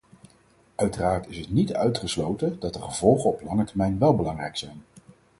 Uiteraard is het niet uitgesloten dat de gevolgen op lange termijn wel belangrijk zijn.